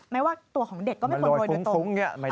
ไม่ว่าตัวของเด็กก็ไม่ควรโรยโดยตรง